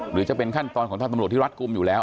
หรือจะเป็นขั้นตอนของทางตำรวจที่รัฐกลุ่มอยู่แล้ว